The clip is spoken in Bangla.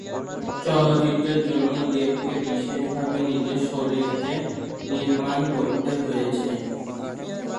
চলচ্চিত্রের জন্য দেবকে বিশেষভাবে নিজের শরীরকে নির্মাণ করতে হয়েছে।